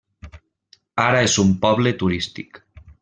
Ara és un poble turístic.